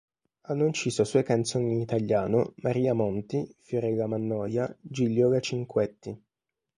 Hanno inciso sue canzoni in italiano Maria Monti, Fiorella Mannoia, Gigliola Cinquetti.